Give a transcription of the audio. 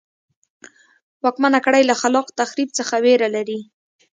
واکمنه کړۍ له خلاق تخریب څخه وېره لري.